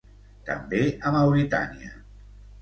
També a Mauritània.